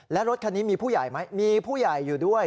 และรถคันนี้มีผู้ใหญ่ไหมมีผู้ใหญ่อยู่ด้วย